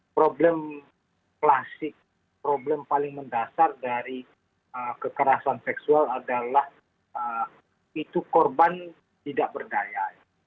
problem klasik problem paling mendasar dari kekerasan seksual adalah itu korban tidak berdaya